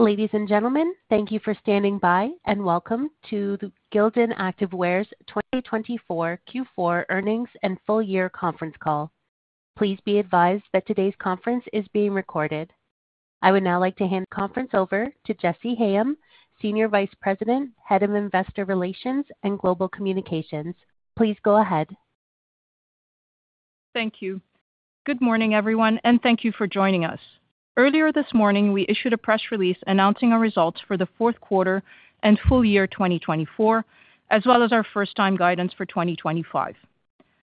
Ladies and gentlemen, thank you for standing by and welcome to the Gildan Activewear's 2024 Q4 earnings and full-year conference call. Please be advised that today's conference is being recorded. I would now like to hand the conference over to Jessy Hayem, Senior Vice President, Head of Investor Relations and Global Communications. Please go ahead. Thank you. Good morning, everyone, and thank you for joining us. Earlier this morning, we issued a press release announcing our results for the fourth quarter and full year 2024, as well as our first-time guidance for 2025.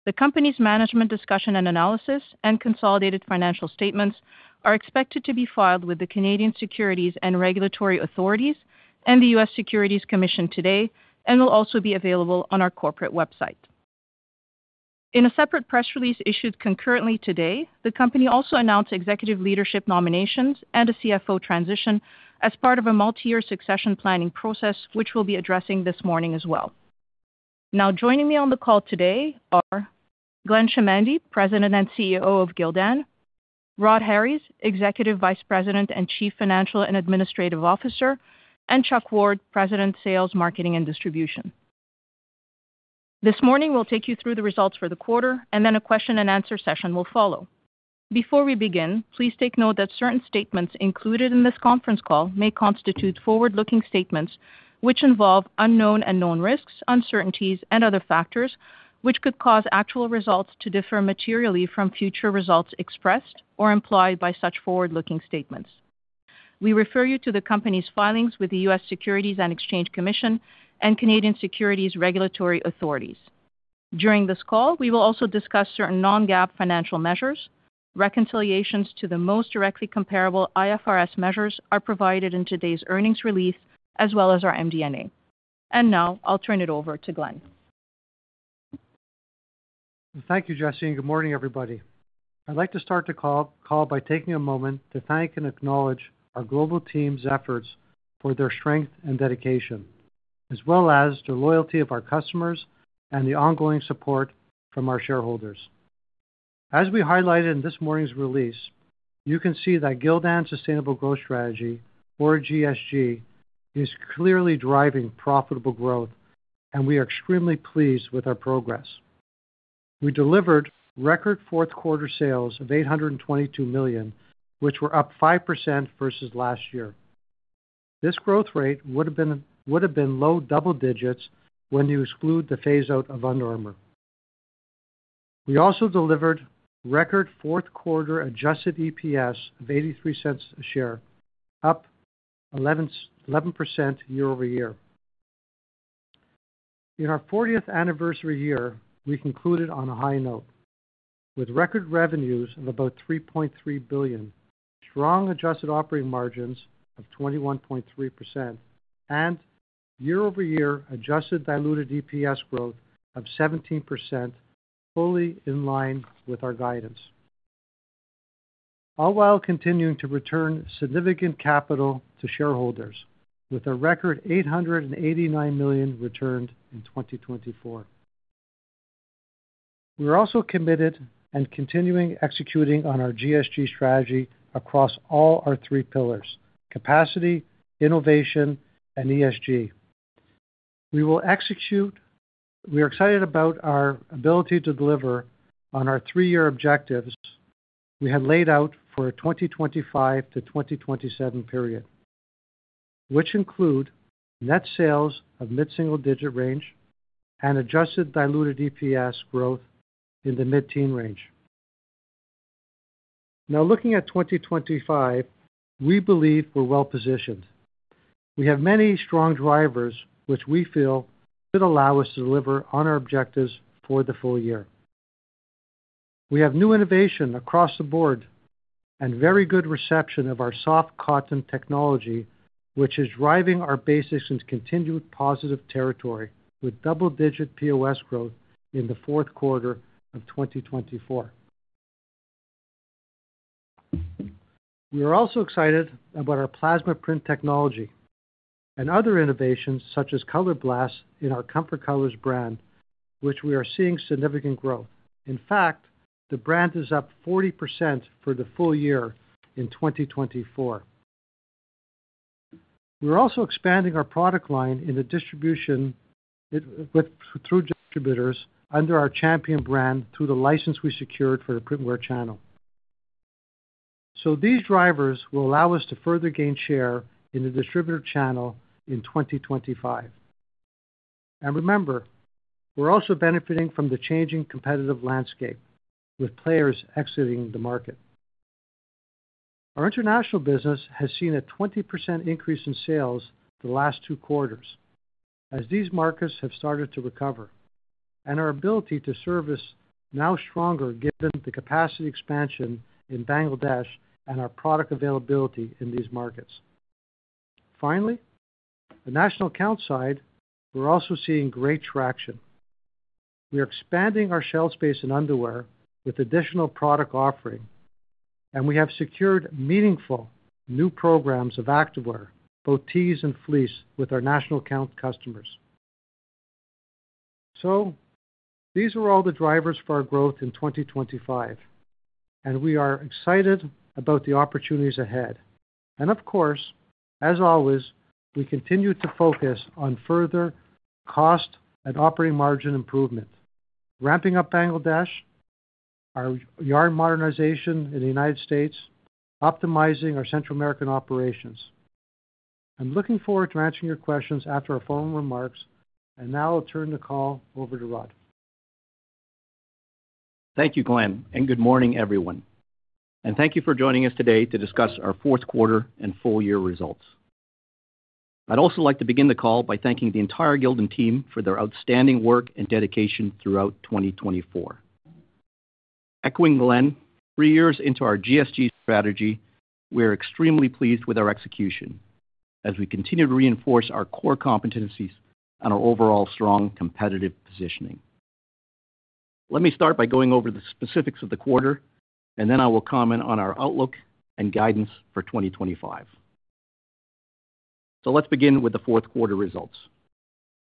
The company's Management's Discussion and Analysis, and consolidated financial statements are expected to be filed with the Canadian Securities Regulatory Authorities and the U.S. Securities and Exchange Commission today, and will also be available on our corporate website. In a separate press release issued concurrently today, the company also announced executive leadership nominations and a CFO transition as part of a multi-year succession planning process, which we'll be addressing this morning as well. Now, joining me on the call today are Glenn Chamandy, President and CEO of Gildan, Rhodri Harries, Executive Vice President and Chief Financial and Administrative Officer, and Chuck Ward, President, Sales, Marketing, and Distribution. This morning, we'll take you through the results for the quarter, and then a question-and-answer session will follow. Before we begin, please take note that certain statements included in this conference call may constitute forward-looking statements, which involve unknown and known risks, uncertainties, and other factors which could cause actual results to differ materially from future results expressed or implied by such forward-looking statements. We refer you to the company's filings with the U.S. Securities and Exchange Commission and Canadian Securities Regulatory Authorities. During this call, we will also discuss certain non-GAAP financial measures. Reconciliations to the most directly comparable IFRS measures are provided in today's earnings release, as well as our MD&A, and now, I'll turn it over to Glenn. Thank you, Jessy. And good morning, everybody. I'd like to start the call by taking a moment to thank and acknowledge our global team's efforts for their strength and dedication, as well as the loyalty of our customers and the ongoing support from our shareholders. As we highlighted in this morning's release, you can see that Gildan's Sustainable Growth Strategy, or GSG, is clearly driving profitable growth, and we are extremely pleased with our progress. We delivered record fourth-quarter sales of $822 million, which were up 5% versus last year. This growth rate would have been low double digits when you exclude the phase-out of Under Armour. We also delivered record fourth-quarter adjusted EPS of $0.83 per share, up 11% year-over-year. In our 40th anniversary year, we concluded on a high note with record revenues of about $3.3 billion, strong adjusted operating margins of 21.3%, and year-over-year adjusted diluted EPS growth of 17%, fully in line with our guidance, all while continuing to return significant capital to shareholders with a record $889 million returned in 2024. We're also committed and continuing executing on our GSG strategy across all our three pillars: capacity, innovation, and ESG. We are excited about our ability to deliver on our three-year objectives we had laid out for a 2025 to 2027 period, which include net sales of mid-single-digit range and adjusted diluted EPS growth in the mid-teen range. Now, looking at 2025, we believe we're well-positioned. We have many strong drivers which we feel could allow us to deliver on our objectives for the full year. We have new innovation across the board and very good reception of our Soft Cotton Technology, which is driving our basics into continued positive territory with double-digit POS growth in the fourth quarter of 2024. We are also excited about our Plasma Print Technology and other innovations such as Color Blast in our Comfort Colors brand, which we are seeing significant growth. In fact, the brand is up 40% for the full year in 2024. We're also expanding our product line through distributors under our Champion brand through the license we secured for the printwear channel. So these drivers will allow us to further gain share in the distributor channel in 2025. And remember, we're also benefiting from the changing competitive landscape with players exiting the market. Our international business has seen a 20% increase in sales the last two quarters as these markets have started to recover, and our ability to service is now stronger given the capacity expansion in Bangladesh and our product availability in these markets. Finally, the national account side, we're also seeing great traction. We are expanding our shelf space in underwear with additional product offering, and we have secured meaningful new programs of Activewear, both tees and fleece, with our national account customers. So these are all the drivers for our growth in 2025, and we are excited about the opportunities ahead. And of course, as always, we continue to focus on further cost and operating margin improvement, ramping up Bangladesh, our yarn modernization in the United States, optimizing our Central American operations. I'm looking forward to answering your questions after our phone remarks, and now I'll turn the call over to Rhodri. Thank you, Glenn, and good morning, everyone. Thank you for joining us today to discuss our fourth quarter and full-year results. I'd also like to begin the call by thanking the entire Gildan team for their outstanding work and dedication throughout 2024. Echoing Glenn, three years into our GSG strategy, we are extremely pleased with our execution as we continue to reinforce our core competencies and our overall strong competitive positioning. Let me start by going over the specifics of the quarter, and then I will comment on our outlook and guidance for 2025. Let's begin with the fourth quarter results.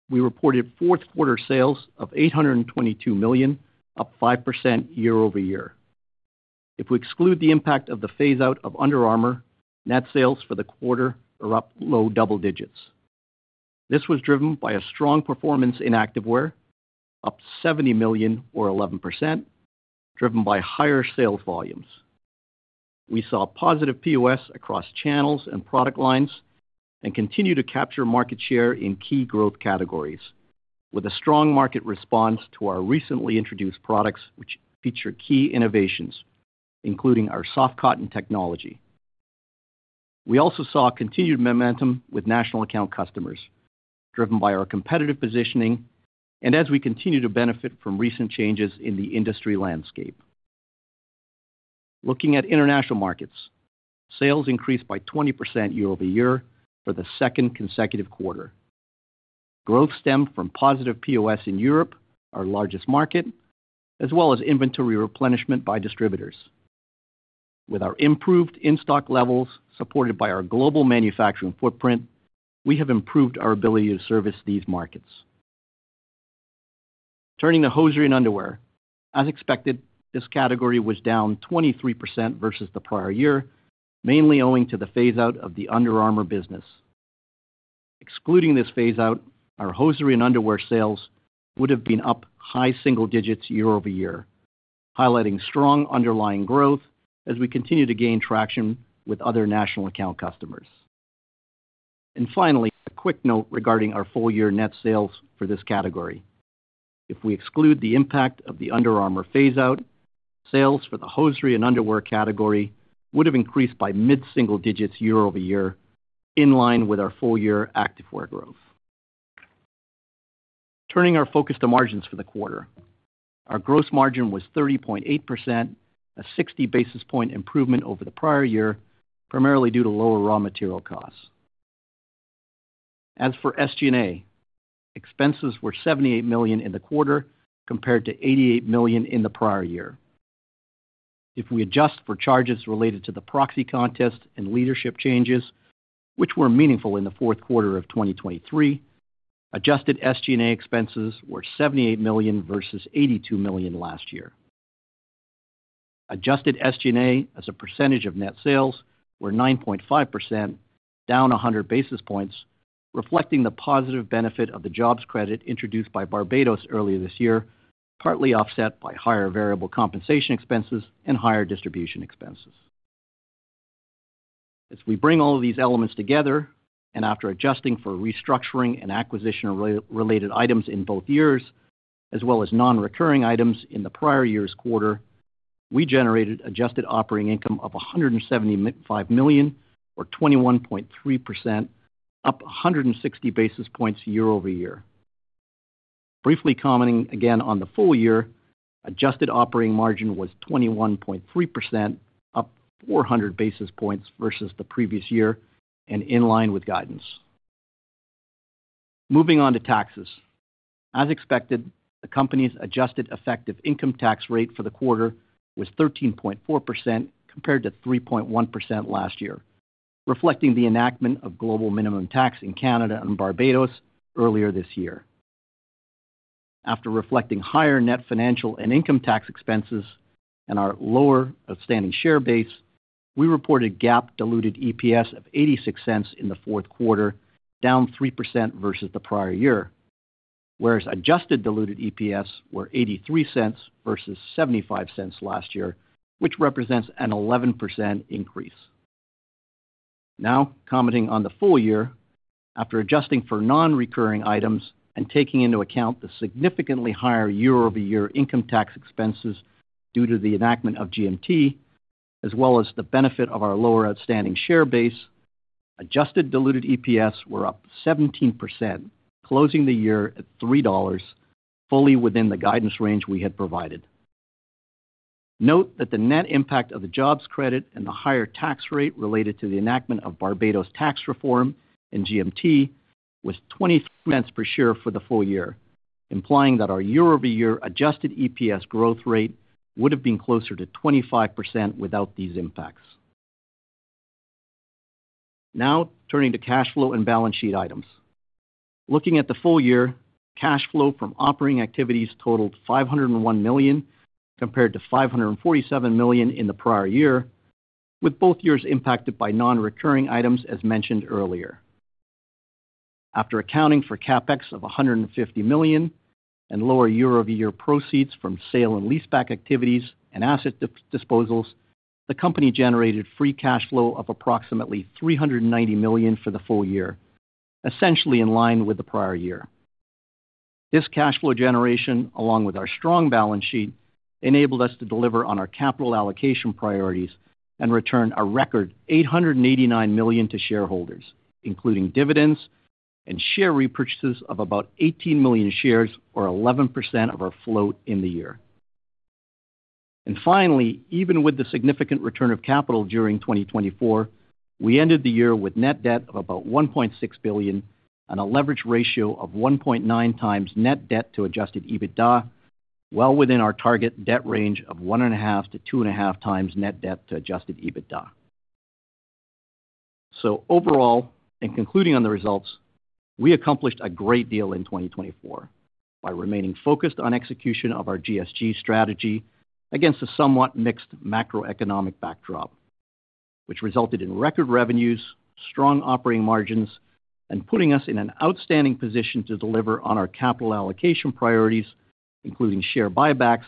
We reported fourth-quarter sales of $822 million, up 5% year-over-year. If we exclude the impact of the phase-out of Under Armour, net sales for the quarter are up low double digits. This was driven by a strong performance in Activewear, up $70 million, or 11%, driven by higher sales volumes. We saw positive POS across channels and product lines and continue to capture market share in key growth categories with a strong market response to our recently introduced products, which feature key innovations, including our Soft Cotton Technology. We also saw continued momentum with national account customers, driven by our competitive positioning and as we continue to benefit from recent changes in the industry landscape. Looking at international markets, sales increased by 20% year-over-year for the second consecutive quarter. Growth stemmed from positive POS in Europe, our largest market, as well as inventory replenishment by distributors. With our improved in-stock levels supported by our global manufacturing footprint, we have improved our ability to service these markets. Turning to hosiery and underwear, as expected, this category was down 23% versus the prior year, mainly owing to the phase-out of the Under Armour business. Excluding this phase-out, our hosiery and underwear sales would have been up high single digits year-over-year, highlighting strong underlying growth as we continue to gain traction with other national account customers. And finally, a quick note regarding our full-year net sales for this category. If we exclude the impact of the Under Armour phase-out, sales for the hosiery and underwear category would have increased by mid-single digits year-over-year, in line with our full-year Activewear growth. Turning our focus to margins for the quarter, our gross margin was 30.8%, a 60 basis-points improvement over the prior year, primarily due to lower raw material costs. As for SG&A, expenses were $78 million in the quarter compared to $88 million in the prior year. If we adjust for charges related to the proxy contest and leadership changes, which were meaningful in the fourth quarter of 2023, adjusted SG&A expenses were $78 million versus $82 million last year. Adjusted SG&A as a percentage of net sales were 9.5%, down 100 basis points, reflecting the positive benefit of the jobs credit introduced by Barbados earlier this year, partly offset by higher variable compensation expenses and higher distribution expenses. As we bring all of these elements together, and after adjusting for restructuring and acquisition-related items in both years, as well as non-recurring items in the prior year's quarter, we generated adjusted operating income of $175 million, or 21.3%, up 160 basis points year-over-year. Briefly commenting again on the full year, adjusted operating margin was 21.3%, up 400 basis points versus the previous year, and in line with guidance. Moving on to taxes. As expected, the company's adjusted effective income tax rate for the quarter was 13.4% compared to 3.1% last year, reflecting the enactment of global minimum tax in Canada and Barbados earlier this year. After reflecting higher net financial and income tax expenses and our lower outstanding share base, we reported GAAP diluted EPS of $0.86 per share in the fourth quarter, down 3% versus the prior year, whereas adjusted diluted EPS were $0.83 versus $0.75 last year, which represents an 11% increase. Now, commenting on the full year, after adjusting for non-recurring items and taking into account the significantly higher year-over-year income tax expenses due to the enactment of GMT, as well as the benefit of our lower outstanding share base, adjusted diluted EPS were up 17%, closing the year at $3.00 per share. Fully within the guidance range we had provided. Note that the net impact of the jobs credit and the higher tax rate related to the enactment of Barbados tax reform and GMT was $0.23 per share for the full year, implying that our year-over-year adjusted EPS growth rate would have been closer to 25% without these impacts. Now, turning to cash flow and balance sheet items. Looking at the full year, cash flow from operating activities totaled $501 million compared to $547 million in the prior year, with both years impacted by non-recurring items as mentioned earlier. After accounting for CapEx of $150 million and lower year-over-year proceeds from sale and leaseback activities and asset disposals, the company generated free cash flow of approximately $390 million for the full year, essentially in line with the prior year. This cash flow generation, along with our strong balance sheet, enabled us to deliver on our capital allocation priorities and return a record $889 million to shareholders, including dividends and share repurchases of about 18 million shares, or 11% of our float in the year, and finally, even with the significant return of capital during 2024, we ended the year with net debt of about $1.6 billion and a leverage ratio of 1.9 times net debt to adjusted EBITDA, well within our target debt range of 1.5 to 2.5 times net debt to adjusted EBITDA. So overall, and concluding on the results, we accomplished a great deal in 2024 by remaining focused on execution of our GSG strategy against a somewhat mixed macroeconomic backdrop, which resulted in record revenues, strong operating margins, and putting us in an outstanding position to deliver on our capital allocation priorities, including share buybacks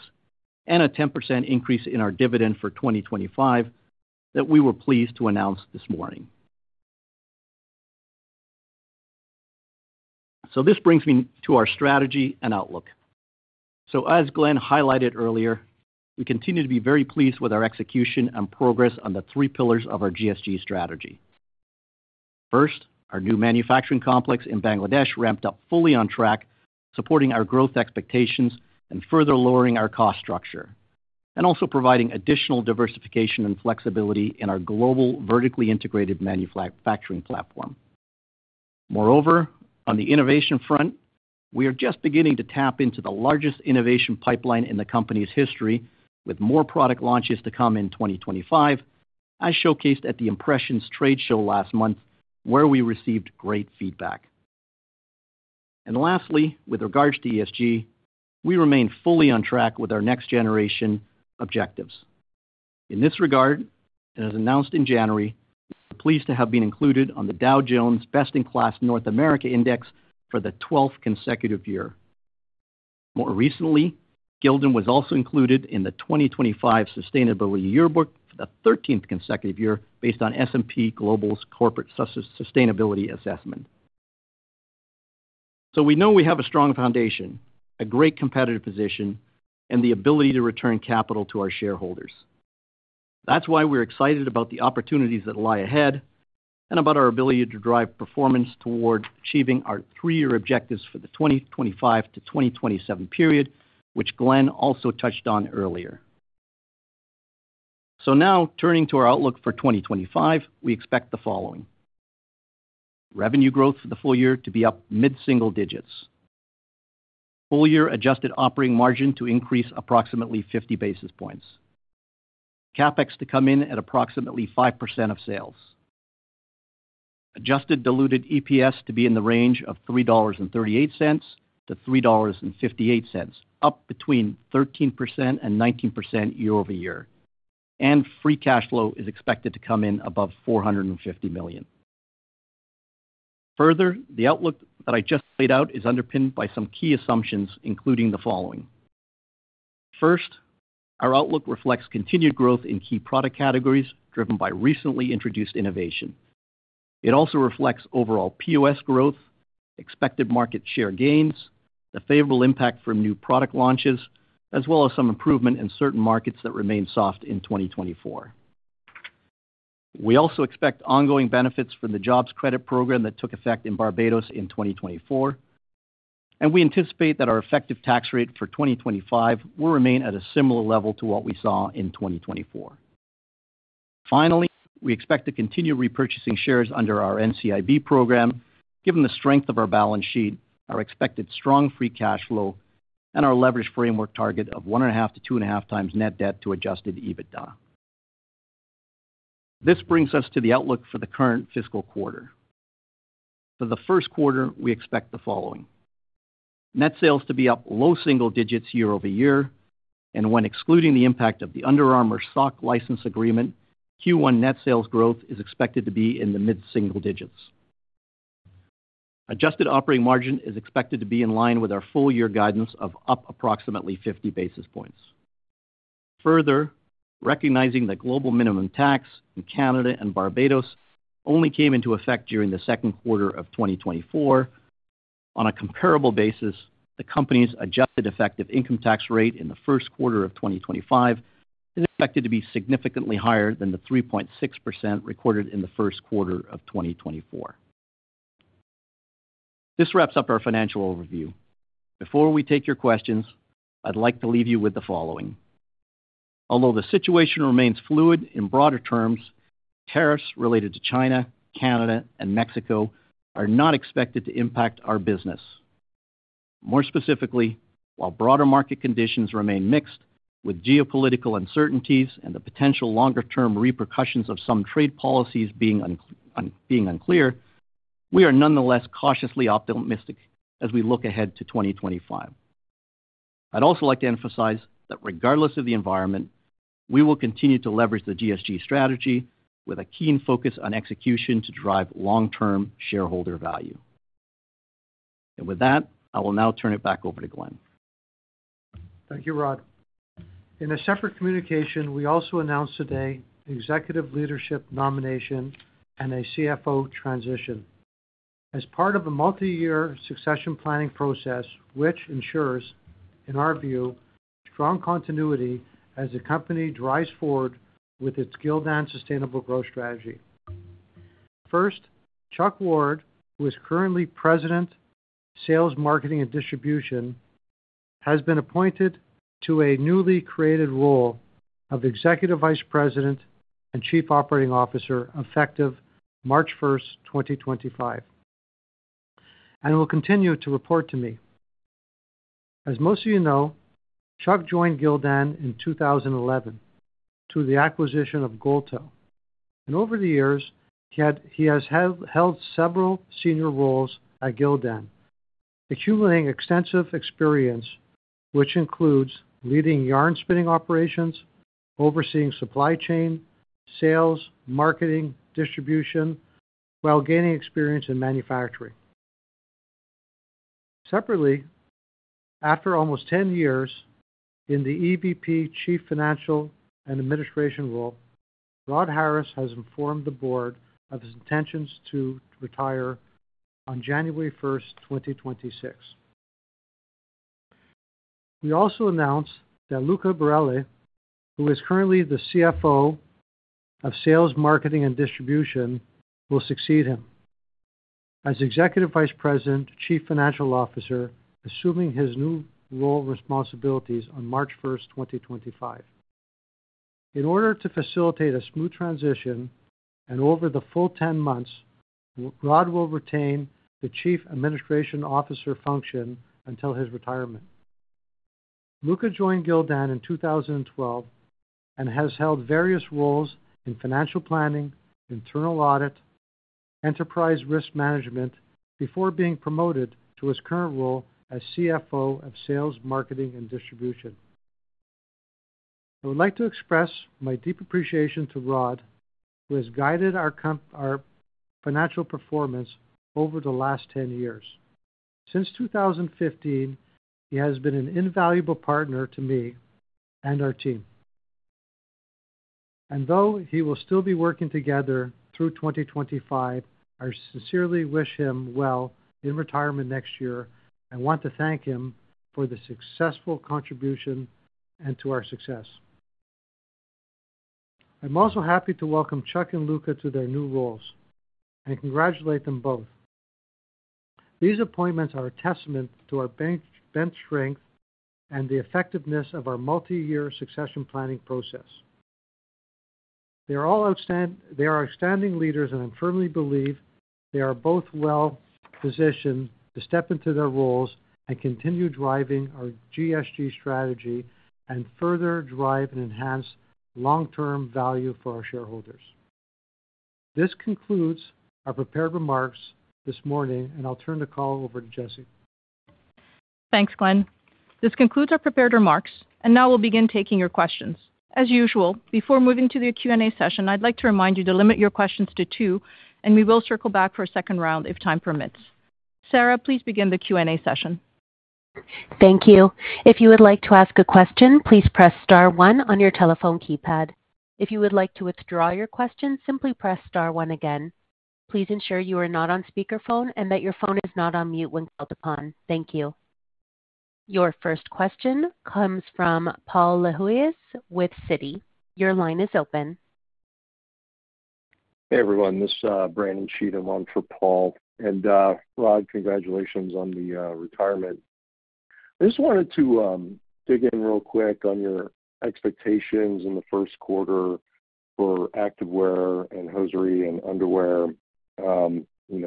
and a 10% increase in our dividend for 2025 that we were pleased to announce this morning. So this brings me to our strategy and outlook. So as Glenn highlighted earlier, we continue to be very pleased with our execution and progress on the three pillars of our GSG strategy. First, our new manufacturing complex in Bangladesh ramped up fully on track, supporting our growth expectations and further lowering our cost structure, and also providing additional diversification and flexibility in our global vertically integrated manufacturing platform. Moreover, on the innovation front, we are just beginning to tap into the largest innovation pipeline in the company's history, with more product launches to come in 2025, as showcased at the Impressions Trade Show last month, where we received great feedback. And lastly, with regards to ESG, we remain fully on track with our next generation objectives. In this regard, and as announced in January, we are pleased to have been included on the Dow Jones Best in Class North America Index for the 12th consecutive year. More recently, Gildan was also included in the 2025 Sustainability Yearbook for the 13th consecutive year based on S&P Global's Corporate Sustainability Assessment. So we know we have a strong foundation, a great competitive position, and the ability to return capital to our shareholders. That's why we're excited about the opportunities that lie ahead and about our ability to drive performance toward achieving our three-year objectives for the 2025 to 2027 period, which Glenn also touched on earlier. So now, turning to our outlook for 2025, we expect the following: revenue growth for the full year to be up mid-single digits, full-year adjusted operating margin to increase approximately 50 basis-pointss, CapEx to come in at approximately 5% of sales, adjusted diluted EPS to be in the range of $3.38-$3.58, up between 13% and 19% year-over-year, and free cash flow is expected to come in above $450 million. Further, the outlook that I just laid out is underpinned by some key assumptions, including the following. First, our outlook reflects continued growth in key product categories driven by recently introduced innovation. It also reflects overall POS growth, expected market share gains, the favorable impact from new product launches, as well as some improvement in certain markets that remain soft in 2024. We also expect ongoing benefits from the jobs credit program that took effect in Barbados in 2024, and we anticipate that our effective tax rate for 2025 will remain at a similar level to what we saw in 2024. Finally, we expect to continue repurchasing shares under our NCIB program, given the strength of our balance sheet, our expected strong free cash flow, and our leveraged framework target of 1.5-2.5 times net debt to adjusted EBITDA. This brings us to the outlook for the current fiscal quarter. For the first quarter, we expect the following: net sales to be up low single digits year-over-year, and when excluding the impact of the Under Armour sock license agreement, Q1 net sales growth is expected to be in the mid-single digits. Adjusted operating margin is expected to be in line with our full-year guidance of up approximately 50 basis-pointss. Further, recognizing that global minimum tax in Canada and Barbados only came into effect during the second quarter of 2024, on a comparable basis, the company's adjusted effective income tax rate in the first quarter of 2025 is expected to be significantly higher than the 3.6% recorded in the first quarter of 2024. This wraps up our financial overview. Before we take your questions, I'd like to leave you with the following: although the situation remains fluid in broader terms, tariffs related to China, Canada, and Mexico are not expected to impact our business. More specifically, while broader market conditions remain mixed, with geopolitical uncertainties and the potential longer-term repercussions of some trade policies being unclear, we are nonetheless cautiously optimistic as we look ahead to 2025. I'd also like to emphasize that regardless of the environment, we will continue to leverage the GSG strategy with a keen focus on execution to drive long-term shareholder value. And with that, I will now turn it back over to Glenn. Thank you, Rod. In a separate communication, we also announced today the executive leadership nomination and a CFO transition as part of a multi-year succession planning process, which ensures, in our view, strong continuity as the company drives forward with its Gildan Sustainable Growth Strategy. First, Chuck Ward, who is currently President, Sales, Marketing, and Distribution, has been appointed to a newly created role of Executive Vice President and Chief Operating Officer effective March 1, 2025, and will continue to report to me. As most of you know, Chuck joined Gildan in 2011 through the acquisition of Goldtoe, and over the years, he has held several senior roles at Gildan, accumulating extensive experience, which includes leading yarn spinning operations, overseeing supply chain, sales, marketing, distribution, while gaining experience in manufacturing. Separately, after almost 10 years in the EVP Chief Financial and Administrative role, Rhodri Harries has informed the board of his intentions to retire on January 1, 2026. We also announced that Luca Barile, who is currently the CFO of Sales, Marketing, and Distribution, will succeed him as Executive Vice President, Chief Financial Officer, assuming his new role responsibilities on March 1, 2025. In order to facilitate a smooth transition and over the full 10 months, Rhodri will retain the Chief Administrative Officer function until his retirement. Luca joined Gildan in 2012 and has held various roles in financial planning, internal audit, enterprise risk management before being promoted to his current role as CFO of Sales, Marketing, and Distribution. I would like to express my deep appreciation to Rhodri, who has guided our financial performance over the last 10 years. Since 2015, he has been an invaluable partner to me and our team. And though he will still be working together through 2025, I sincerely wish him well in retirement next year and want to thank him for the successful contribution and to our success. I'm also happy to welcome Chuck and Luca to their new roles and congratulate them both. These appointments are a testament to our bench strength and the effectiveness of our multi-year succession planning process. They are outstanding leaders, and I firmly believe they are both well positioned to step into their roles and continue driving our GSG strategy and further drive and enhance long-term value for our shareholders. This concludes our prepared remarks this morning, and I'll turn the call over to Jessy. Thanks, Glenn. This concludes our prepared remarks, and now we'll begin taking your questions. As usual, before moving to the Q&A session, I'd like to remind you to limit your questions to two, and we will circle back for a second round if time permits. Sarah, please begin the Q&A session. Thank you. If you would like to ask a question, please press star one on your telephone keypad. If you would like to withdraw your question, simply press star one again. Please ensure you are not on speakerphone and that your phone is not on mute when called upon. Thank you. Your first question comes from Paul Lejuez with Citi. Your line is open. Hey, everyone. This is Brandon Cheatham on for Paul. And Rhodri, congratulations on the retirement. I just wanted to dig in real quick on your expectations in the first quarter for Activewear and hosiery and underwear,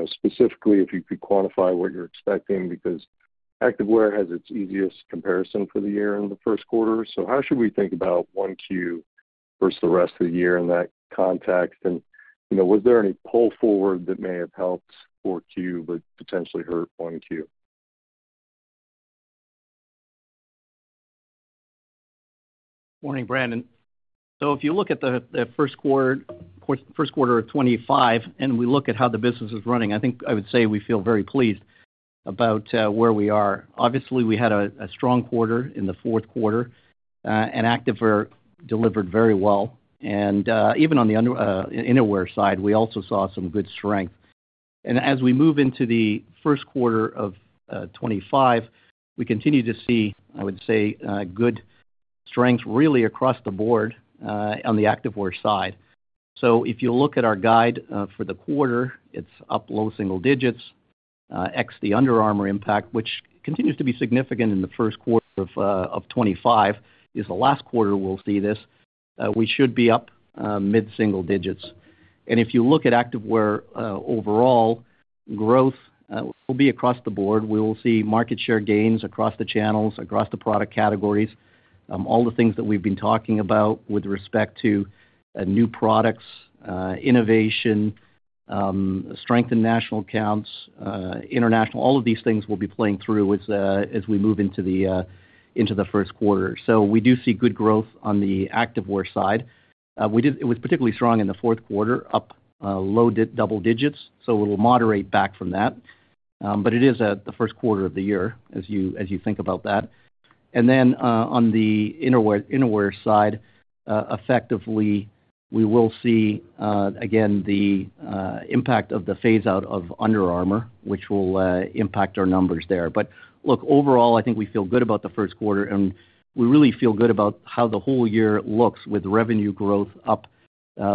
specifically if you could quantify what you're expecting, because Activewear has its easiest comparison for the year in the first quarter. How should we think about 1Q versus the rest of the year in that context? And was there any pull forward that may have helped 4Q but potentially hurt 1Q? Morning, Brandon. If you look at the first quarter of 2025 and we look at how the business is running, I think I would say we feel very pleased about where we are. Obviously, we had a strong quarter in the fourth quarter, and Activewear delivered very well. And even on the underwear side, we also saw some good strength. As we move into the first quarter of 2025, we continue to see, I would say, good strength really across the board on the Activewear side. So if you look at our guide for the quarter, it's up low single digits, ex the Under Armour impact, which continues to be significant in the first quarter of 2025. It's the last quarter we'll see this. We should be up mid-single digits. And if you look at Activewear overall growth, it will be across the board. We will see market share gains across the channels, across the product categories, all the things that we've been talking about with respect to new products, innovation, strength in national accounts, international. All of these things will be playing through as we move into the first quarter. So we do see good growth on the Activewear side. It was particularly strong in the fourth quarter, up low double digits, so it'll moderate back from that. But it is the first quarter of the year, as you think about that. And then on the underwear side, effectively, we will see again the impact of the phase-out of Under Armour, which will impact our numbers there. But look, overall, I think we feel good about the first quarter, and we really feel good about how the whole year looks with revenue growth up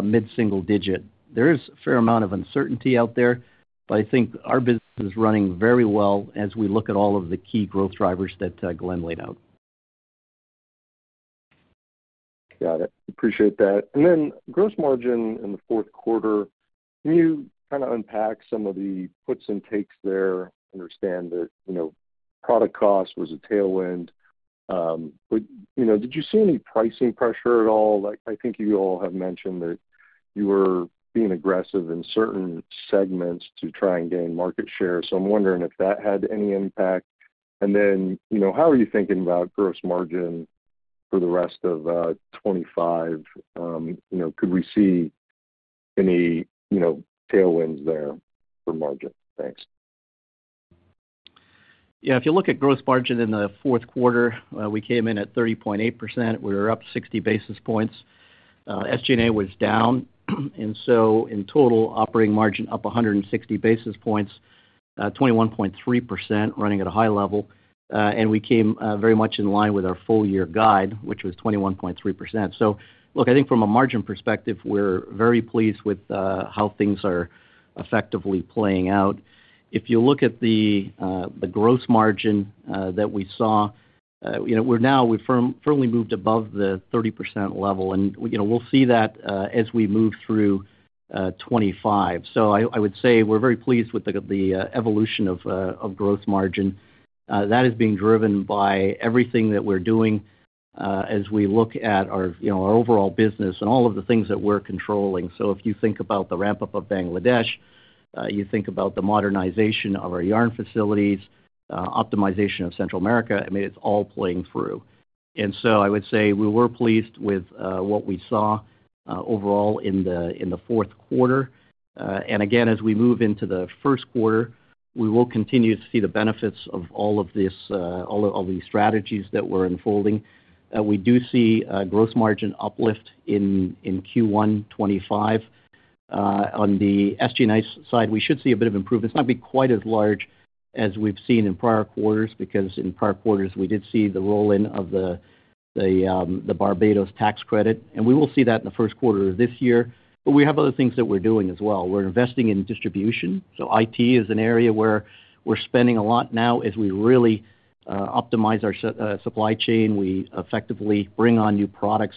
mid-single digit. There is a fair amount of uncertainty out there, but I think our business is running very well as we look at all of the key growth drivers that Glenn laid out. Got it. Appreciate that. And then gross margin in the fourth quarter, can you kind of unpack some of the puts and takes there? Understand that product cost was a tailwind. But did you see any pricing pressure at all? I think you all have mentioned that you were being aggressive in certain segments to try and gain market share. So I'm wondering if that had any impact. And then how are you thinking about gross margin for the rest of 2025? Could we see any tailwinds there for margin? Thanks. Yeah. If you look at gross margin in the fourth quarter, we came in at 30.8%. We were up 60 basis-pointss. SG&A was down. And so in total, operating margin up 160 basis-pointss, 21.3% running at a high level. And we came very much in line with our full-year guide, which was 21.3%. So look, I think from a margin perspective, we're very pleased with how things are effectively playing out. If you look at the gross margin that we saw, we've now firmly moved above the 30% level, and we'll see that as we move through 2025. So I would say we're very pleased with the evolution of gross margin. That is being driven by everything that we're doing as we look at our overall business and all of the things that we're controlling. So if you think about the ramp-up of Bangladesh, you think about the modernization of our yarn facilities, optimization of Central America, I mean, it's all playing through. And so I would say we were pleased with what we saw overall in the fourth quarter. And again, as we move into the first quarter, we will continue to see the benefits of all of these strategies that we're unfolding. We do see a gross margin uplift in Q1 2025. On the SG&A side, we should see a bit of improvement. It's not going to be quite as large as we've seen in prior quarters because in prior quarters, we did see the roll-in of the Barbados tax credit, and we will see that in the first quarter of this year, but we have other things that we're doing as well. We're investing in distribution, so IT is an area where we're spending a lot now as we really optimize our supply chain. We effectively bring on new products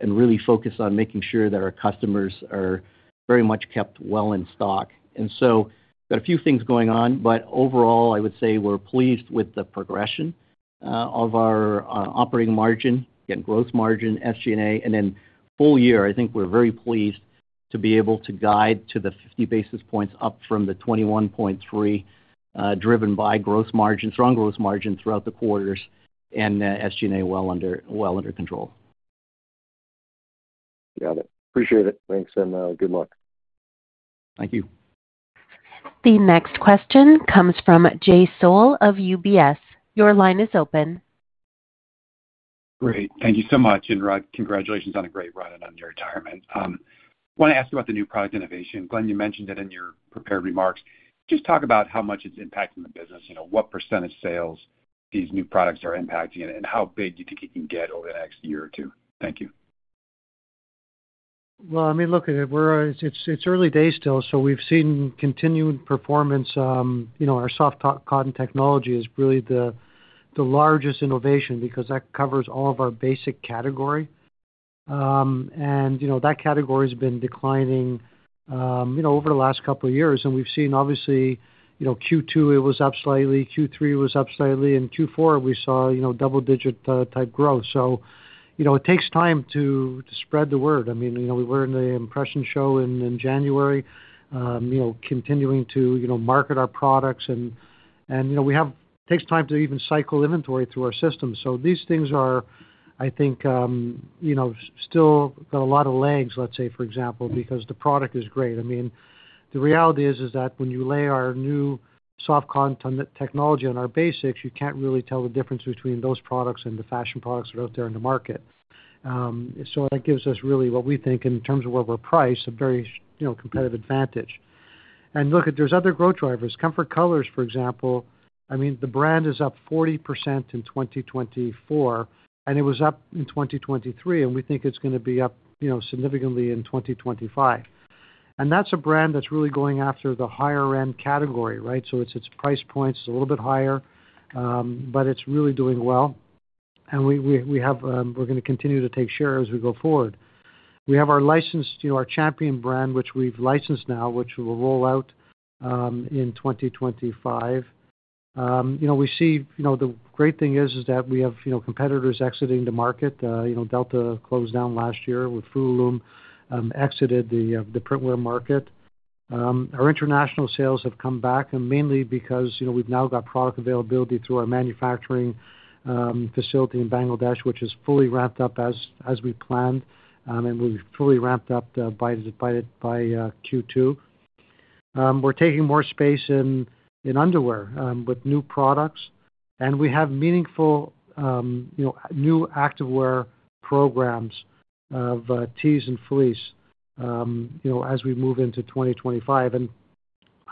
and really focus on making sure that our customers are very much kept well in stock, and so we've got a few things going on, but overall, I would say we're pleased with the progression of our operating margin, again, gross margin, SG&A. And then full year, I think we're very pleased to be able to guide to the 50 basis-pointss up from the 21.3 driven by strong gross margin throughout the quarters and SG&A well under control. Got it. Appreciate it. Thanks, and good luck. Thank you. The next question comes from Jay Sole of UBS. Your line is open. Great. Thank you so much. And Rod, congratulations on a great run and on your retirement. I want to ask you about the new product innovation. Glenn, you mentioned it in your prepared remarks. Just talk about how much it's impacting the business, what % of sales these new products are impacting, and how big do you think it can get over the next year or two. Thank you. Well, I mean, look, it's early days still, so we've seen continued performance. Our soft cotton technology is really the largest innovation because that covers all of our basic category, and that category has been declining over the last couple of years, and we've seen, obviously, Q2 it was up slightly, Q3 it was up slightly, and Q4 we saw double-digit-type growth, so it takes time to spread the word. I mean, we were in the Impressions Trade Show in January, continuing to market our products, and it takes time to even cycle inventory through our system, so these things are, I think, still got a lot of legs, let's say, for example, because the product is great. I mean, the reality is that when you lay our new soft cotton technology on our basics, you can't really tell the difference between those products and the fashion products that are out there in the market. So that gives us really, what we think, in terms of where we're priced, a very competitive advantage. And look, there's other growth drivers. Comfort Colors, for example, I mean, the brand is up 40% in 2024, and it was up in 2023, and we think it's going to be up significantly in 2025. And that's a brand that's really going after the higher-end category, right? So its price points are a little bit higher, but it's really doing well. And we're going to continue to take share as we go forward. We have our licensed, our Champion brand, which we've licensed now, which will roll out in 2025. We see the great thing is that we have competitors exiting the market. Delta closed down last year with Fruit of the Loom exited the printwear market. Our international sales have come back, and mainly because we've now got product availability through our manufacturing facility in Bangladesh, which is fully ramped up as we planned, and we've fully ramped up by Q2. We're taking more space in underwear with new products, and we have meaningful new Activewear programs of tees and fleece as we move into 2025. And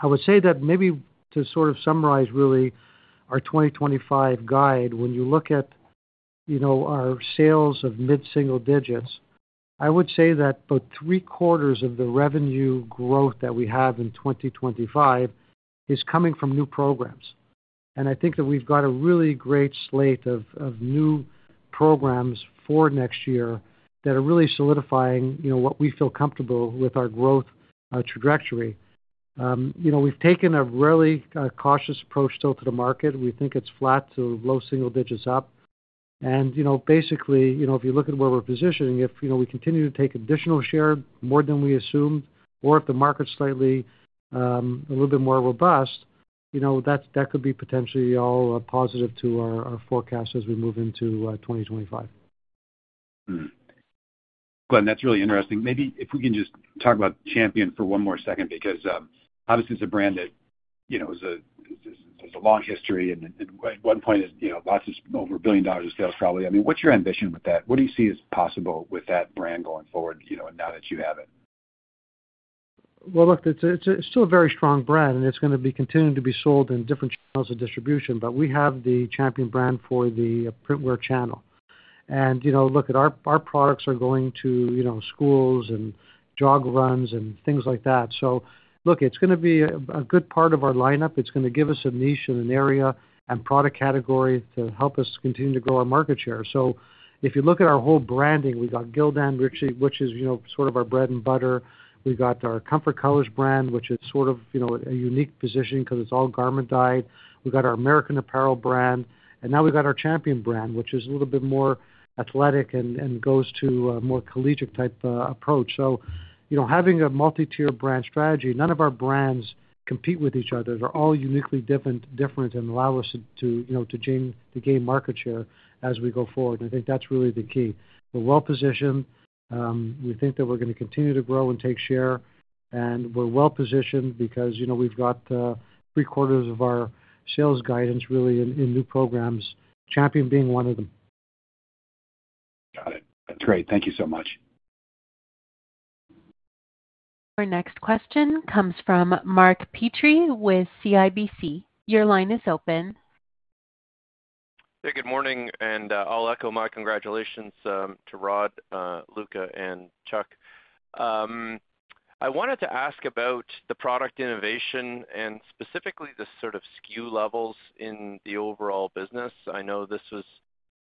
I would say that maybe to sort of summarize really our 2025 guide, when you look at our sales of mid-single digits, I would say that about three-quarters of the revenue growth that we have in 2025 is coming from new programs. And I think that we've got a really great slate of new programs for next year that are really solidifying what we feel comfortable with our growth trajectory. We've taken a really cautious approach still to the market. We think it's flat to low single digits up. And basically, if you look at where we're positioning, if we continue to take additional share more than we assumed, or if the market's slightly a little bit more robust, that could be potentially all positive to our forecast as we move into 2025. Glenn, that's really interesting. Maybe if we can just talk about Champion for one more second, because obviously, it's a brand that has a long history, and at one point, lots of over a billion dollars of sales probably. I mean, what's your ambition with that? What do you see as possible with that brand going forward now that you have it? Well, look, it's still a very strong brand, and it's going to be continuing to be sold in different channels of distribution, but we have the Champion brand for the printwear channel. Look, our products are going to schools and jog runs and things like that. Look, it's going to be a good part of our lineup. It's going to give us a niche and an area and product category to help us continue to grow our market share. If you look at our whole branding, Gildan Ring Spun, which is sort of our bread and butter. We've got our Comfort Colors brand, which is sort of a unique position because it's all garment-dyed. We've got our American Apparel brand. Now we've got our Champion brand, which is a little bit more athletic and goes to a more collegiate-type approach. Having a multi-tier brand strategy, none of our brands compete with each other. They're all uniquely different and allow us to gain market share as we go forward. I think that's really the key. We're well-positioned. We think that we're going to continue to grow and take share. And we're well-positioned because we've got three-quarters of our sales guidance really in new programs, Champion being one of them. Got it. That's great. Thank you so much. Our next question comes from Mark Petrie with CIBC. Your line is open. Hey, good morning. And I'll echo my congratulations to Rod, Luca, and Chuck. I wanted to ask about the product innovation and specifically the sort of SKU levels in the overall business. I know this was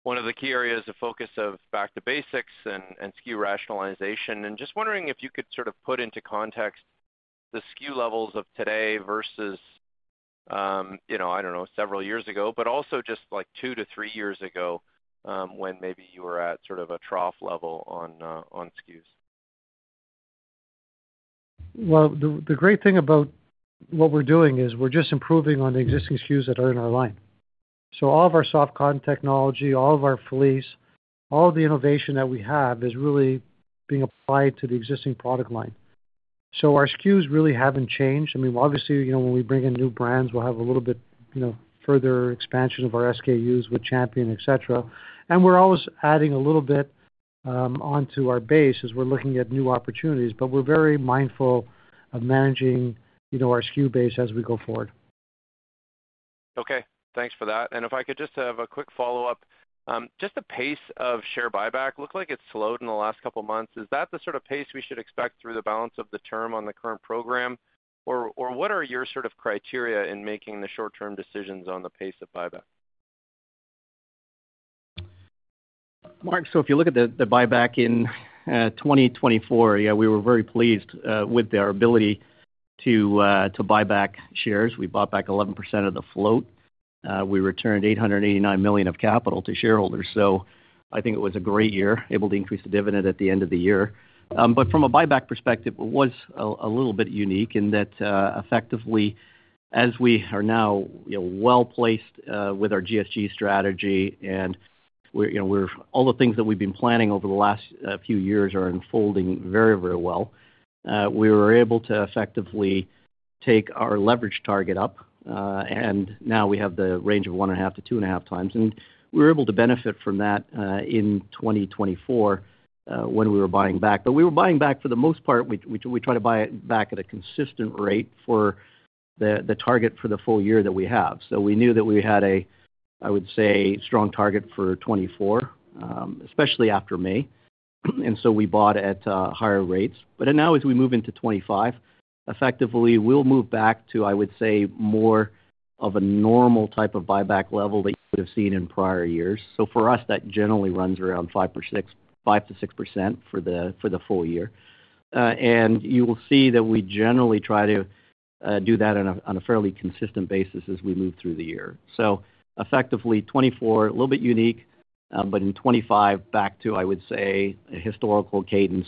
one of the key areas of focus of Back to Basics and SKU rationalization. And just wondering if you could sort of put into context the SKU levels of today versus, I don't know, several years ago, but also just like two to three years ago when maybe you were at sort of a trough level on SKUs. The great thing about what we're doing is we're just improving on the existing SKUs that are in our line. So all of our soft cotton technology, all of our fleece, all of the innovation that we have is really being applied to the existing product line, so our SKUs really haven't changed. I mean, obviously, when we bring in new brands, we'll have a little bit further expansion of our SKUs with Champion, etc., and we're always adding a little bit onto our base as we're looking at new opportunities, but we're very mindful of managing our SKU base as we go forward. Okay. Thanks for that. If I could just have a quick follow-up, just the pace of share buyback looks like it's slowed in the last couple of months. Is that the sort of pace we should expect through the balance of the term on the current program? Or what are your sort of criteria in making the short-term decisions on the pace of buyback? Mark, so if you look at the buyback in 2024, yeah, we were very pleased with our ability to buy back shares. We bought back 11% of the float. We returned $889 million of capital to shareholders. So I think it was a great year, able to increase the dividend at the end of the year. But from a buyback perspective, it was a little bit unique in that effectively, as we are now well-placed with our GSG strategy and all the things that we've been planning over the last few years are unfolding very, very well, we were able to effectively take our leverage target up. And now we have the range of one and a half to two and a half times. And we were able to benefit from that in 2024 when we were buying back. But we were buying back for the most part, we tried to buy it back at a consistent rate for the target for the full year that we have. So we knew that we had a, I would say, strong target for 2024, especially after May. And so we bought at higher rates. But now as we move into 2025, effectively, we'll move back to, I would say, more of a normal type of buyback level that you would have seen in prior years. So for us, that generally runs around 5%-6% for the full year. And you will see that we generally try to do that on a fairly consistent basis as we move through the year. So effectively, 2024, a little bit unique, but in 2025, back to, I would say, a historical cadence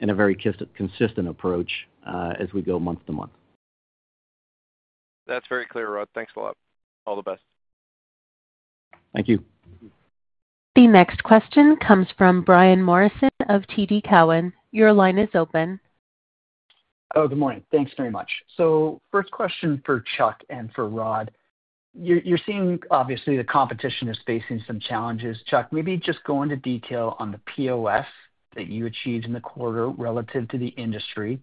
and a very consistent approach as we go month to month. That's very clear, Rod. Thanks a lot. All the best. Thank you. The next question comes from Brian Morrison of TD Cowen. Your line is open. Oh, good morning. Thanks very much. So first question for Chuck and for Rod. You're seeing, obviously, the competition is facing some challenges. Chuck, maybe just go into detail on the POS that you achieved in the quarter relative to the industry.